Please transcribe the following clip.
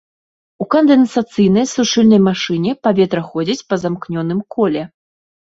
У кандэнсацыйнай сушыльнай машыне паветра ходзіць па замкнёным коле.